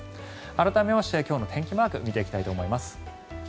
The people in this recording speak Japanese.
改めまして、今日の天気マーク見ていきたいと思います。